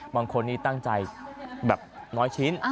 บางคนนี้ตั้งใจแบบน้อยชิ้น